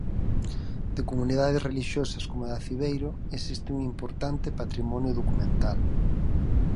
De comunidades relixiosas como a de Aciveiro existe un importante patrimonio documental.